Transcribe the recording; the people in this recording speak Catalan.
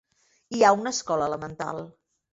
Hi ha una escola elemental.